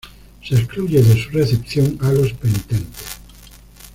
Se excluye de su recepción a los penitentes.